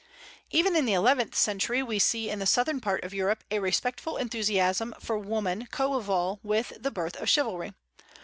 Even in the eleventh century we see in the southern part of Europe a respectful enthusiasm for woman coeval with the birth of chivalry.